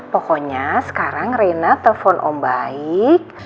pokoknya sekarang rena telepon om baik